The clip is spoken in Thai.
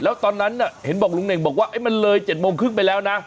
แล้วตอนนั้นเห็นบอกลุงเน่งบอกว่ามันเลย๗โมงครึ่งไปแล้วนะ